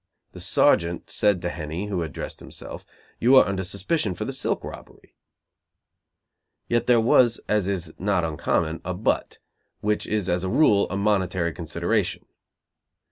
The sergeant said to Henny, who had dressed himself, "You are under suspicion for the silk robbery." Yet there was, as is not uncommon, a "but," which is as a rule a monetary consideration.